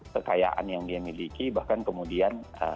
kekayaan yang dia miliki bahkan kemudian